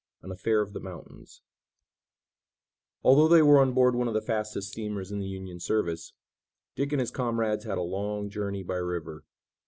AN AFFAIR OF THE MOUNTAINS Although they were on board one of the fastest steamers in the Union service, Dick and his comrades had a long journey by river.